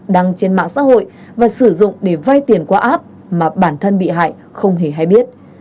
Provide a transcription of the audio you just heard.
đăng trên mạng xã hội và sử dụng để vai tiền qua app mà bản thân bị hại không hề hay biết